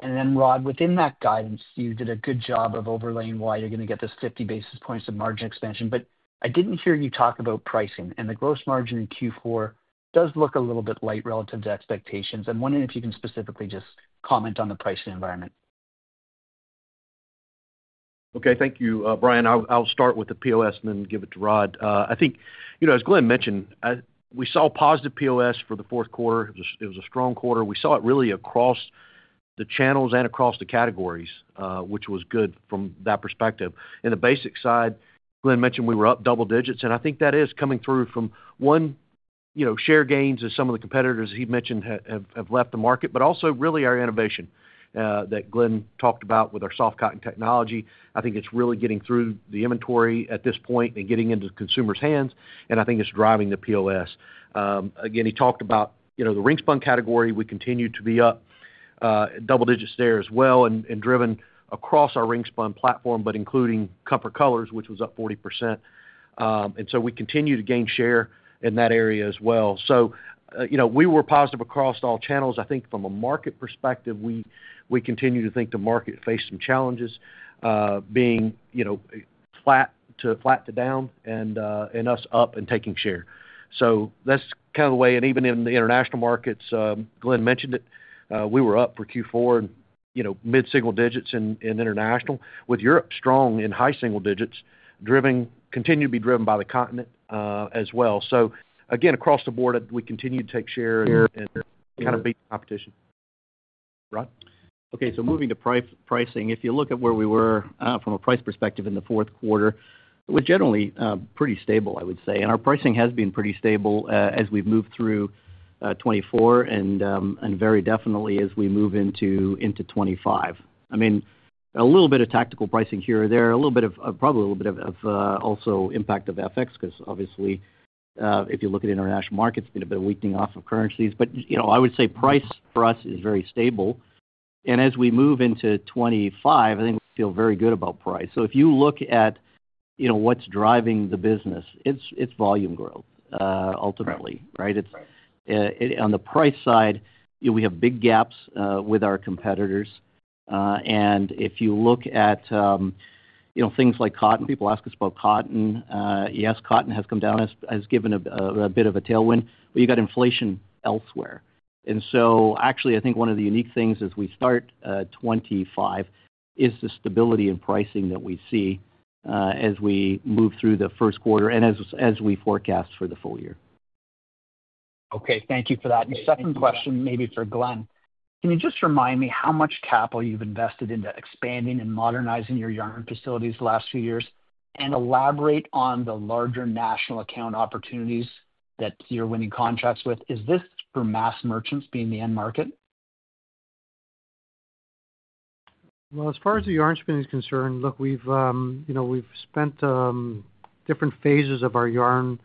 And then, Rod, within that guidance, you did a good job of overlaying why you're going to get this 50 basis-pointss of margin expansion. But I didn't hear you talk about pricing. And the gross margin in Q4 does look a little bit light relative to expectations. I'm wondering if you can specifically just comment on the pricing environment. Okay. Thank you. Brian, I'll start with the POS and then give it to Rod. I think, as Glenn mentioned, we saw positive POS for the fourth quarter. It was a strong quarter. We saw it really across the channels and across the categories, which was good from that perspective. In the basic side, Glenn mentioned we were up double digits. And I think that is coming through from, one, share gains as some of the competitors he mentioned have left the market, but also really our innovation that Glenn talked about with our soft cotton technology. I think it's really getting through the inventory at this point and getting into consumers' hands. I think it's driving the POS. Again, he talked about the ring-spun category. We continue to be up double digits there as well and driven across our ring-spun platform, but including Comfort Colors, which was up 40%. And so we continue to gain share in that area as well. So we were positive across all channels. I think from a market perspective, we continue to think the market faced some challenges being flat to down and us up and taking share. So that's kind of the way. And even in the international markets, Glenn mentioned it, we were up for Q4 and mid-single digits in international with Europe strong in high single digits, continuing to be driven by the continent as well. So again, across the board, we continue to take share and kind of beat the competition. Rhodri? Okay. So moving to pricing, if you look at where we were from a price perspective in the fourth quarter, it was generally pretty stable, I would say. And our pricing has been pretty stable as we've moved through 2024 and very definitely as we move into 2025. I mean, a little bit of tactical pricing here or there, probably a little bit of also impact of FX because, obviously, if you look at international markets, there's been a bit of weakening off of currencies. But I would say price for us is very stable. And as we move into 2025, I think we feel very good about price. So if you look at what's driving the business, it's volume growth ultimately, right? On the price side, we have big gaps with our competitors. And if you look at things like cotton, people ask us about cotton. Yes, cotton has come down, has given a bit of a tailwind, but you've got inflation elsewhere. And so actually, I think one of the unique things as we start 2025 is the stability in pricing that we see as we move through the first quarter and as we forecast for the full year. Okay. Thank you for that. Your second question, maybe for Glenn, can you just remind me how much capital you've invested into expanding and modernizing your yarn facilities the last few years and elaborate on the larger national account opportunities that you're winning contracts with? Is this for mass merchants being the end market? Well, as far as the yarn spinning is concerned, look, we've spent different phases of our yarn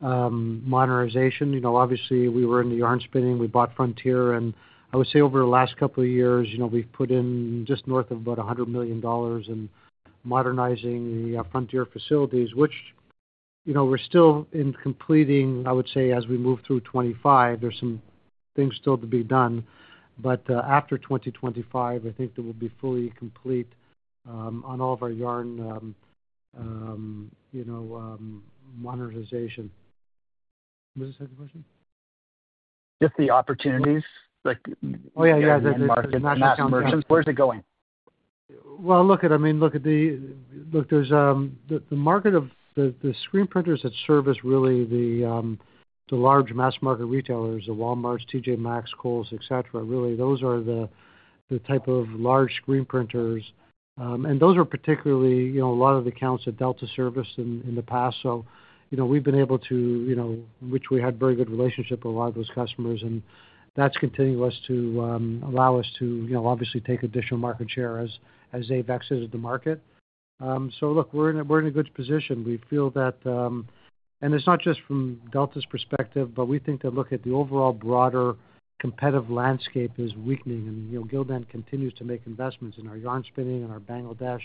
modernization. Obviously, we were in the yarn spinning. We bought Frontier Yarns. I would say over the last couple of years, we've put in just north of about $100 million in modernizing the Frontier Yarns facilities, which we're still completing, I would say, as we move through 2025. There's some things still to be done. But after 2025, I think that we'll be fully complete on all of our yarn modernization. What was the second question? Just the opportunities. Oh, yeah, yeah. The national merchants. Where's it going? Well, look at, I mean, look at the market of the screen printers that service really the large mass market retailers, the Walmarts, TJ Maxx, Kohl's, etc. Really, those are the type of large screen printers. And those are particularly a lot of the accounts that Delta serviced in the past. So we've been able to, which we had a very good relationship with a lot of those customers. That's continued to allow us to obviously take additional market share as they've exited the market. Look, we're in a good position. We feel that. It's not just from Delta's perspective, but we think that, look, the overall broader competitive landscape is weakening. Gildan continues to make investments in our yarn spinning and our Bangladesh.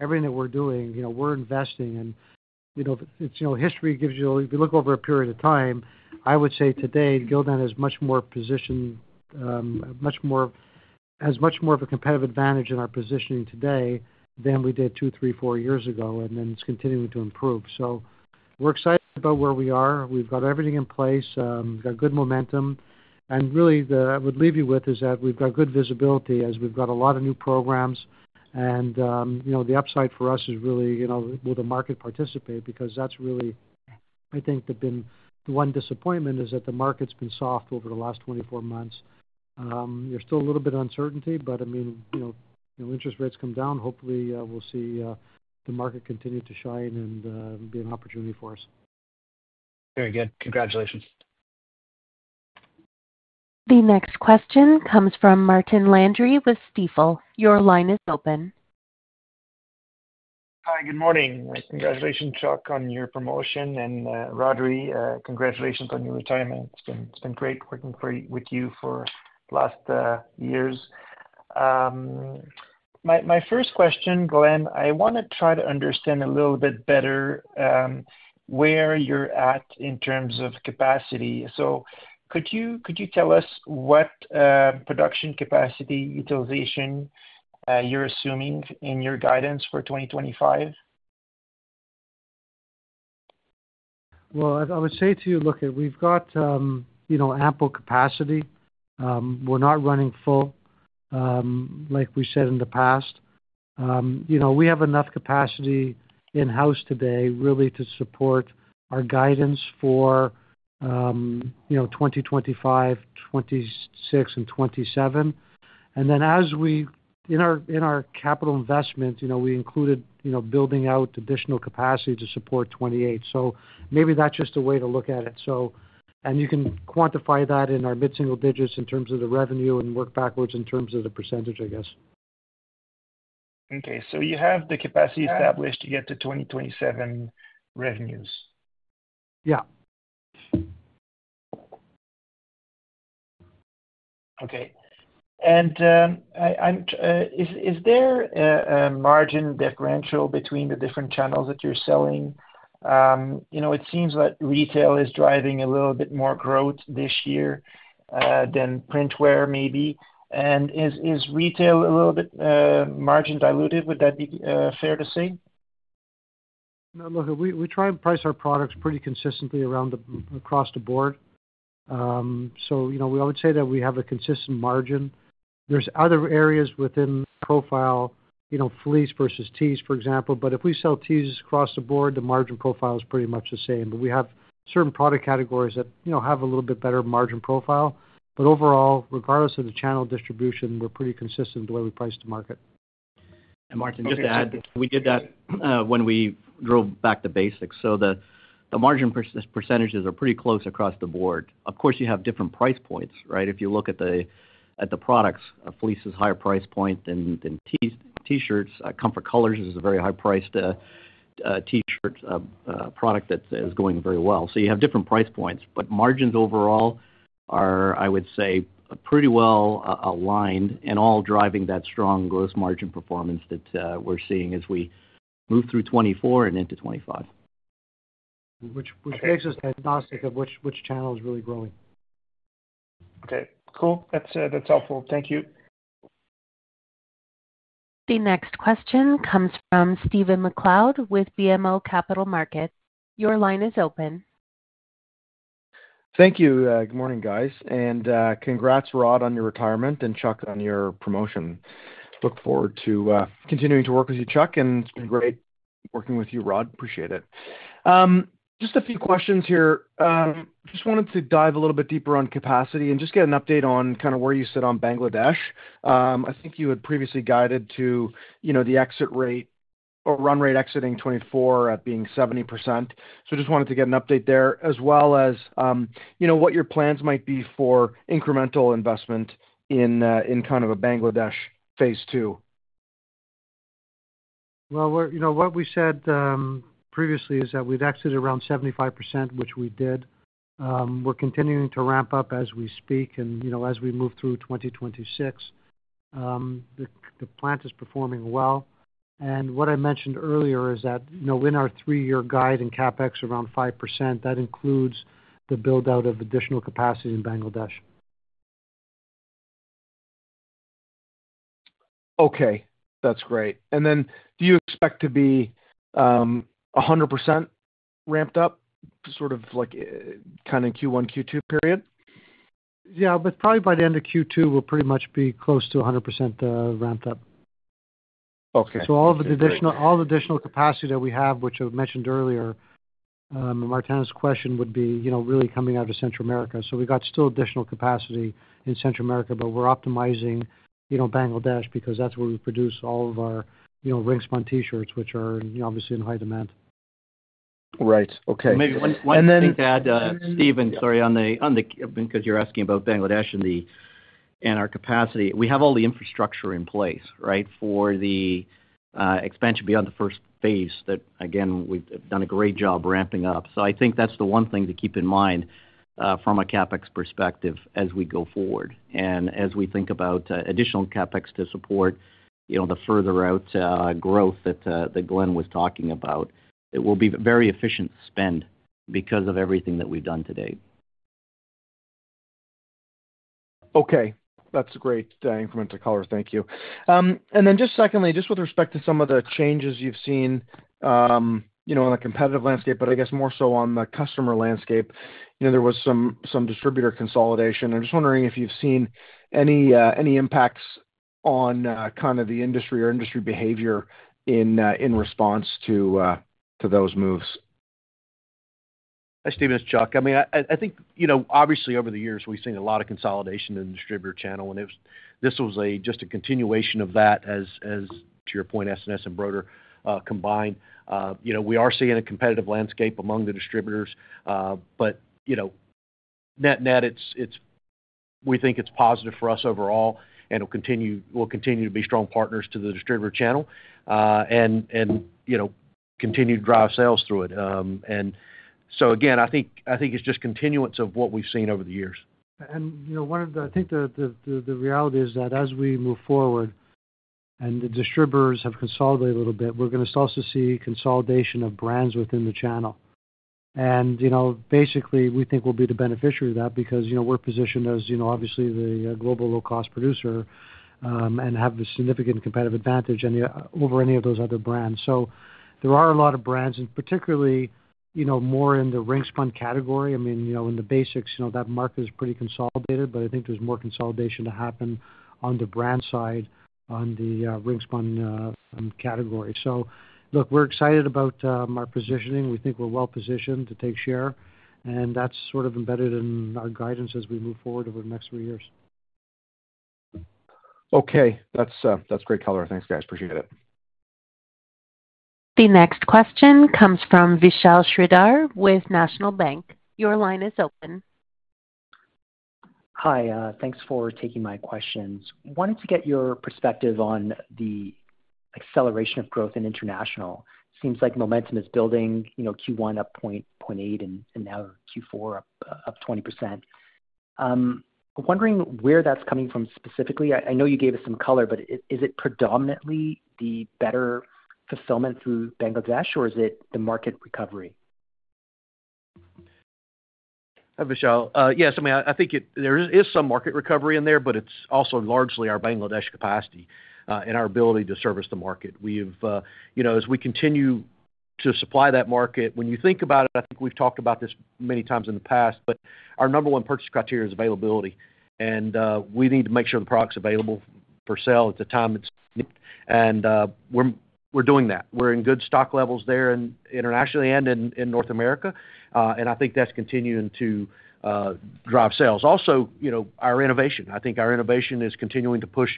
Everything that we're doing, we're investing in. Its history gives you, if you look over a period of time, I would say today, Gildan is much more positioned, has much more of a competitive advantage in our positioning today than we did two, three, four years ago. It's continuing to improve. We're excited about where we are. We've got everything in place. We've got good momentum. Really, I would leave you with is that we've got good visibility as we've got a lot of new programs. The upside for us is really, will the market participate? Because that's really, I think, the one disappointment is that the market's been soft over the last 24 months. There's still a little bit of uncertainty. But I mean, interest rates come down. Hopefully, we'll see the market continue to shine and be an opportunity for us. Very good. Congratulations. The next question comes from Martin Landry with Stifel. Your line is open. Hi, good morning. Congratulations, Chuck, on your promotion. And Rhodri, congratulations on your retirement. It's been great working with you for the last years. My first question, Glenn, I want to try to understand a little bit better where you're at in terms of capacity. So could you tell us what production capacity utilization you're assuming in your guidance for 2025? Well, I would say to you, look, we've got ample capacity. We're not running full, like we said in the past. We have enough capacity in-house today, really, to support our guidance for 2025, 2026, and 2027. And then as we in our capital investment, we included building out additional capacity to support 2028. So maybe that's just a way to look at it. And you can quantify that in our mid-single digits in terms of the revenue and work backwards in terms of the percentage, I guess. Okay. So you have the capacity established to get to 2027 revenues? Yeah. Okay. And is there a margin differential between the different channels that you're selling? It seems that retail is driving a little bit more growth this year than printwear, maybe. And is retail a little bit margin diluted? Would that be fair to say? No, look, we try and price our products pretty consistently across the board. We always say that we have a consistent margin. There's other areas within profile, fleece versus tees, for example. But if we sell tees across the board, the margin profile is pretty much the same. But we have certain product categories that have a little bit better margin profile. But overall, regardless of the channel distribution, we're pretty consistent with the way we price the market. And Martin, just to add, we did that when we drove back the basics. So the margin percentages are pretty close across the board. Of course, you have different price points, right? If you look at the products, fleece is a higher price point than T-shirts. Comfort Colors is a very high-priced T-shirt product that is going very well. So you have different price points. But margins overall are, I would say, pretty well aligned and all driving that strong gross margin performance that we're seeing as we move through 2024 and into 2025. Which makes us agnostic of which channel is really growing. Okay. Cool. That's helpful. Thank you. The next question comes from Stephen MacLeod with BMO Capital Markets. Your line is open. Thank you. Good morning, guys. And congrats, Rod, on your retirement and Chuck on your promotion. Look forward to continuing to work with you, Chuck. And it's been great working with you, Rod. Appreciate it. Just a few questions here. Just wanted to dive a little bit deeper on capacity and just get an update on kind of where you sit on Bangladesh. I think you had previously guided to the exit rate or run rate exiting 2024 at being 70%. I just wanted to get an update there as well as what your plans might be for incremental investment in kind of a Bangladesh phase two. Well, what we said previously is that we've exited around 75%, which we did. We're continuing to ramp up as we speak and as we move through 2026. The plant is performing well. And what I mentioned earlier is that in our three-year guide and CapEx around 5%, that includes the build-out of additional capacity in Bangladesh. Okay. That's great. And then do you expect to be 100% ramped up, sort of kind of Q1, Q2 period? Yeah. But probably by the end of Q2, we'll pretty much be close to 100% ramped up. So all of the additional capacity that we have, which I mentioned earlier, Martin's question would be really coming out of Central America. So we've got still additional capacity in Central America, but we're optimizing Bangladesh because that's where we produce all of our ring-spun T-shirts, which are obviously in high demand. Right. Okay. And then I think that, Stephen, sorry, on that because you're asking about Bangladesh and our capacity, we have all the infrastructure in place, right, for the expansion beyond the first phase that, again, we've done a great job ramping up. So I think that's the one thing to keep in mind from a CapEx perspective as we go forward. And as we think about additional CapEx to support the further out growth that Glenn was talking about, it will be very efficient spend because of everything that we've done today. Okay. That's a great incremental color. Thank you. And then just secondly, just with respect to some of the changes you've seen on the competitive landscape, but I guess more so on the customer landscape, there was some distributor consolidation. I'm just wondering if you've seen any impacts on kind of the industry or industry behavior in response to those moves. Hi, Stephen. It's Chuck. I mean, I think, obviously, over the years, we've seen a lot of consolidation in the distributor channel. And this was just a continuation of that, as to your point, S&S and Broder combined. We are seeing a competitive landscape among the distributors. But net net, we think it's positive for us overall, and we'll continue to be strong partners to the distributor channel and continue to drive sales through it. And so again, I think it's just continuance of what we've seen over the years. I think the reality is that as we move forward and the distributors have consolidated a little bit, we're going to also see consolidation of brands within the channel. And basically, we think we'll be the beneficiary of that because we're positioned as, obviously, the global low-cost producer and have a significant competitive advantage over any of those other brands. So there are a lot of brands, and particularly more in the ring-spun category. I mean, in the basics, that market is pretty consolidated, but I think there's more consolidation to happen on the brand side on the ring-spun category. So look, we're excited about our positioning. We think we're well-positioned to take share. And that's sort of embedded in our guidance as we move forward over the next three years. Okay. That's great color. Thanks, guys. Appreciate it. The next question comes from Vishal Shreedhar with National Bank. Your line is open. Hi. Thanks for taking my questions. Wanted to get your perspective on the acceleration of growth in international. Seems like momentum is building Q1 up 0.8% and now Q4 up 20%. Wondering where that's coming from specifically. I know you gave us some color, but is it predominantly the better fulfillment through Bangladesh, or is it the market recovery? Hi, Vishal. Yes. I mean, I think there is some market recovery in there, but it's also largely our Bangladesh capacity and our ability to service the market. As we continue to supply that market, when you think about it, I think we've talked about this many times in the past, but our number one purchase criteria is availability. And we need to make sure the product's available for sale at the time it's needed. We're doing that. We're in good stock levels there internationally and in North America. I think that's continuing to drive sales. Also, our innovation. I think our innovation is continuing to push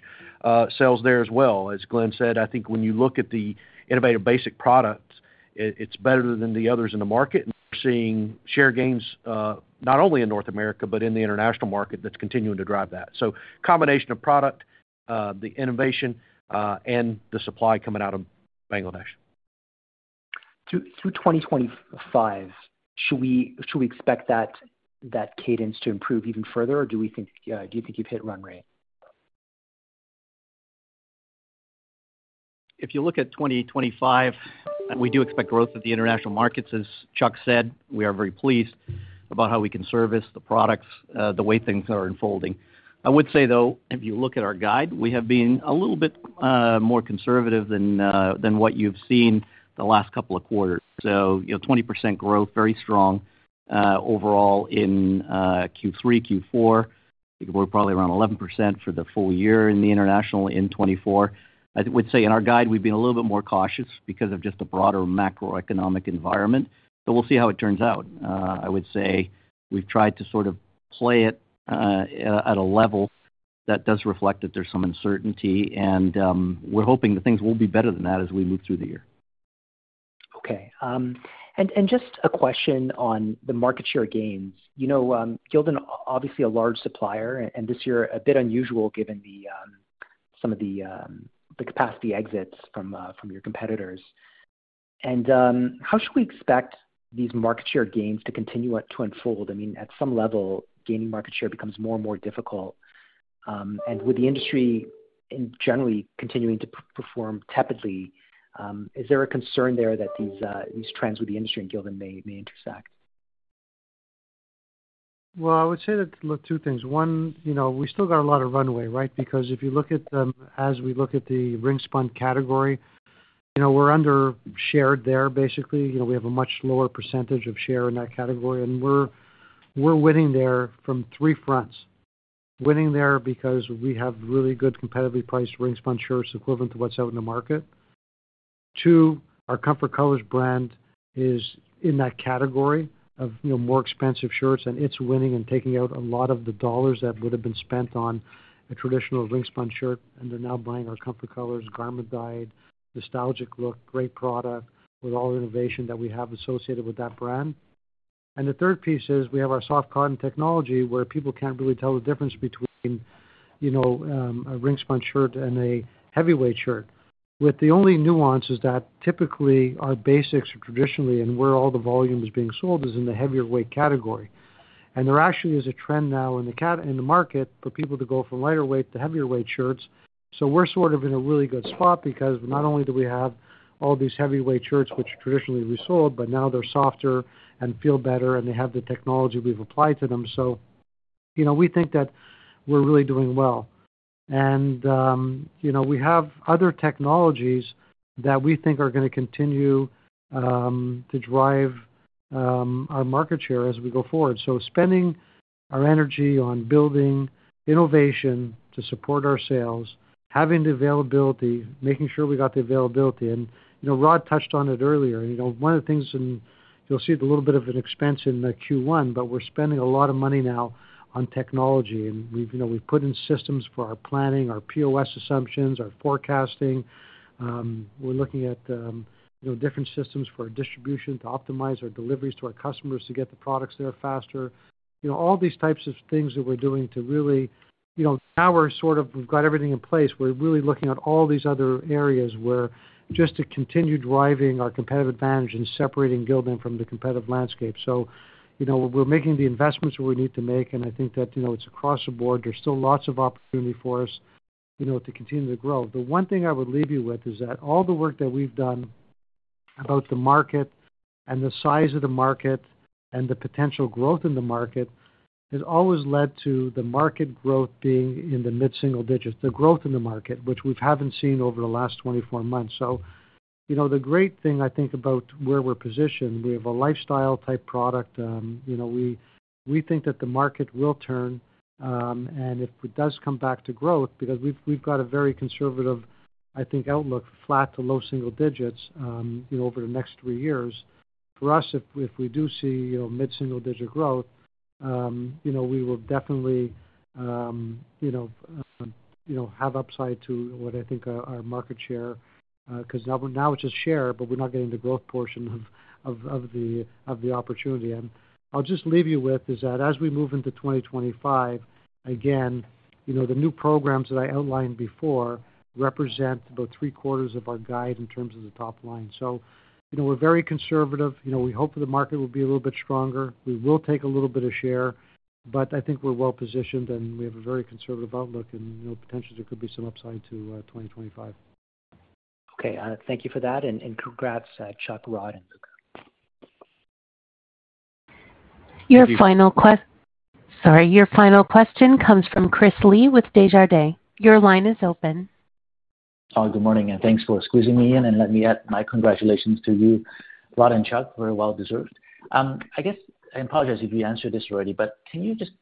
sales there as well. As Glenn said, I think when you look at the innovative basic products, it's better than the others in the market. We're seeing share gains not only in North America, but in the international market that's continuing to drive that. Combination of product, the innovation, and the supply coming out of Bangladesh. Through 2025, should we expect that cadence to improve even further, or do you think you've hit run rate? If you look at 2025, we do expect growth of the international markets, as Chuck said. We are very pleased about how we can service the products, the way things are unfolding. I would say, though, if you look at our guide, we have been a little bit more conservative than what you've seen the last couple of quarters. So 20% growth, very strong overall in Q3, Q4. We're probably around 11% for the full year in the international in 2024. I would say in our guide, we've been a little bit more cautious because of just the broader macroeconomic environment. But we'll see how it turns out. I would say we've tried to sort of play it at a level that does reflect that there's some uncertainty. And we're hoping that things will be better than that as we move through the year. Okay. And just a question on the market share gains. Gildan is obviously a large supplier, and this year a bit unusual given some of the capacity exits from your competitors. How should we expect these market share gains to continue to unfold? I mean, at some level, gaining market share becomes more and more difficult. With the industry generally continuing to perform tepidly, is there a concern there that these trends with the industry and Gildan may intersect? I would say that, look, two things. One, we still got a lot of runway, right? Because if you look at them as we look at the ring-spun category, we're undershared there, basically. We have a much lower percentage of share in that category. And we're winning there from three fronts. Winning there because we have really good competitively priced ring-spun shirts equivalent to what's out in the market. Two, our Comfort Colors brand is in that category of more expensive shirts, and it's winning and taking out a lot of the dollars that would have been spent on a traditional ring-spun shirt. And they're now buying our Comfort Colors garment dyed, nostalgic look, great product with all the innovation that we have associated with that brand. And the third piece is we have our soft cotton technology where people can't really tell the difference between a ring-spun shirt and a heavyweight shirt. With the only nuance is that typically our basics traditionally and where all the volume is being sold is in the heavier weight category. And there actually is a trend now in the market for people to go from lighter weight to heavier weight shirts. So we're sort of in a really good spot because not only do we have all these heavyweight shirts which traditionally we sold, but now they're softer and feel better, and they have the technology we've applied to them. So we think that we're really doing well. And we have other technologies that we think are going to continue to drive our market share as we go forward. So spending our energy on building innovation to support our sales, having the availability, making sure we got the availability. And Rod touched on it earlier. One of the things, and you'll see a little bit of an expense in Q1, but we're spending a lot of money now on technology. And we've put in systems for our planning, our POS assumptions, our forecasting. We're looking at different systems for our distribution to optimize our deliveries to our customers to get the products there faster. All these types of things that we're doing to really, now we're sort of, we've got everything in place. We're really looking at all these other areas where just to continue driving our competitive advantage and separating Gildan from the competitive landscape. So we're making the investments that we need to make, and I think that it's across the board. There's still lots of opportunity for us to continue to grow. The one thing I would leave you with is that all the work that we've done about the market and the size of the market and the potential growth in the market has always led to the market growth being in the mid-single digits, the growth in the market, which we haven't seen over the last 24 months. So the great thing I think about where we're positioned, we have a lifestyle-type product. We think that the market will turn. And if it does come back to growth, because we've got a very conservative, I think, outlook, flat to low single digits over the next three years. For us, if we do see mid-single digit growth, we will definitely have upside to what I think our market share because now it's just share, but we're not getting the growth portion of the opportunity. And I'll just leave you with is that as we move into 2025, again, the new programs that I outlined before represent about three-quarters of our guide in terms of the top line. So we're very conservative. We hope the market will be a little bit stronger. We will take a little bit of share. But I think we're well-positioned, and we have a very conservative outlook, and potentially there could be some upside to 2025. Okay. Thank you for that. And congrats, Chuck, Rod, and Glenn (likely). Your final question sorry, your final question comes from Chris Li with Desjardins. Your line is open. Hi, good morning. And thanks for squeezing me in and letting me add my congratulations to you, Rod and Chuck. Very well-deserved. I guess I apologize if you answered this already, but can you just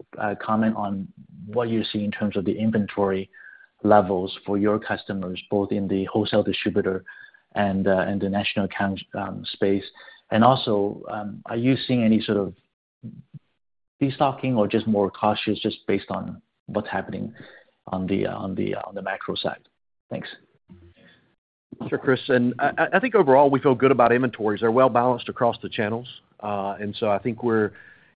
comment on what you're seeing in terms of the inventory levels for your customers, both in the wholesale distributor and the national account space? And also, are you seeing any sort of de-stocking or just more cautious just based on what's happening on the macro side? Thanks. Sure, Chris. And I think overall, we feel good about inventories. They're well-balanced across the channels. And so I think we're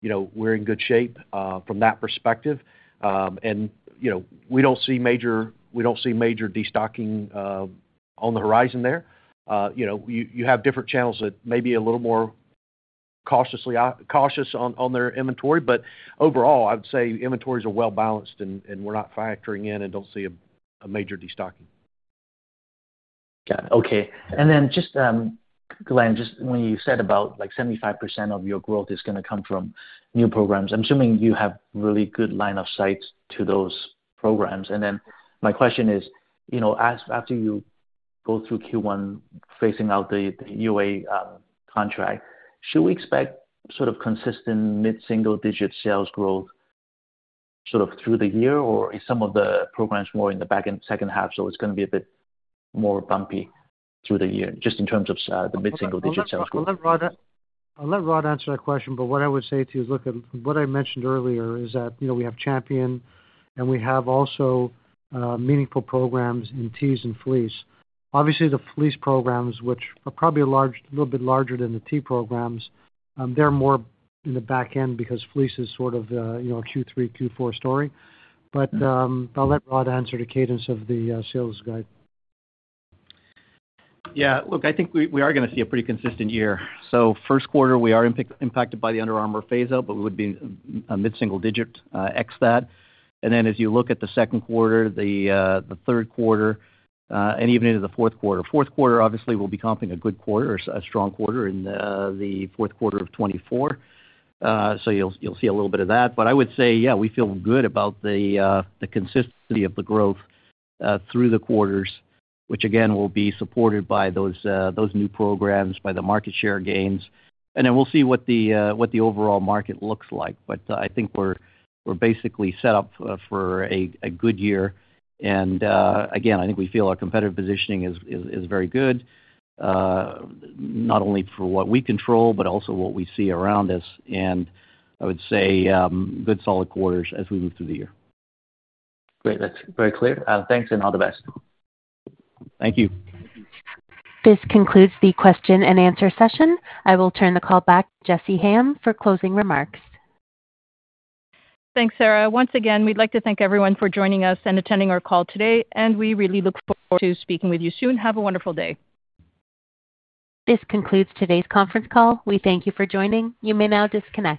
in good shape from that perspective. And we don't see major de-stocking on the horizon there. You have different channels that may be a little more cautious on their inventory. But overall, I would say inventories are well-balanced, and we're not factoring in and don't see a major de-stocking. Got it. Okay. And then just, Glenn, when you said about 75% of your growth is going to come from new programs, I'm assuming you have really good line of sight to those programs. And then my question is, after you go through Q1, phasing out the UA contract, should we expect sort of consistent mid-single digit sales growth sort of through the year, or is some of the programs more in the second half? So it's going to be a bit more bumpy through the year just in terms of the mid-single digit sales growth. I'll let Rod answer that question. But what I would say to you is, look, what I mentioned earlier is that we have Champion, and we have also meaningful programs in tees and fleece. Obviously, the fleece programs, which are probably a little bit larger than the T programs, they're more in the back end because fleece is sort of a Q3, Q4 story. But I'll let Rod answer the cadence of the sales guide. Yeah. Look, I think we are going to see a pretty consistent year. So first quarter, we are impacted by the Under Armour phase-out, but we would be mid-single digit ex that. And then as you look at the second quarter, the third quarter, and even into the fourth quarter. Fourth quarter, obviously, will be comping a good quarter or a strong quarter in the fourth quarter of 2024. So you'll see a little bit of that. But I would say, yeah, we feel good about the consistency of the growth through the quarters, which, again, will be supported by those new programs, by the market share gains. And then we'll see what the overall market looks like. But I think we're basically set up for a good year. And again, I think we feel our competitive positioning is very good, not only for what we control, but also what we see around us. And I would say good solid quarters as we move through the year. Great. That's very clear. Thanks, and all the best. Thank you. This concludes the question and answer session. I will turn the call back to Jessy Hayem for closing remarks. Thanks, Sarah. Once again, we'd like to thank everyone for joining us and attending our call today. And we really look forward to speaking with you soon. Have a wonderful day. This concludes today's conference call. We thank you for joining. You may now disconnect.